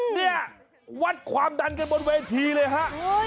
เนี่ยวัดความดันกันบนเวทีเลยฮะ